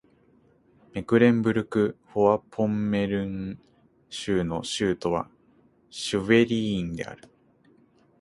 メクレンブルク＝フォアポンメルン州の州都はシュヴェリーンである